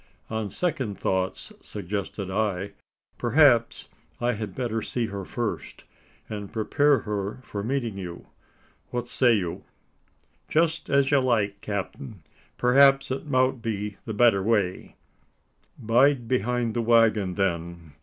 "On second thoughts," suggested I, "perhaps, I had better see her first, and prepare her for meeting you! What say you?" "Jest as you like, capt'n. P'raps it mout be the better way." "Bide behind the waggon, then!